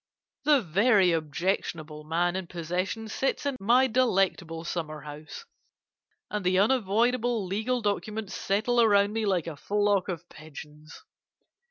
The very objectionable man in possession sits in my delectable summer house, and the unavoidable legal documents settle around me like a flock of pigeons.